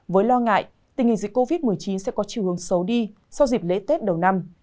với lo ngại tình hình dịch covid một mươi chín sẽ có chiều hướng xấu đi sau dịp lễ tết đầu năm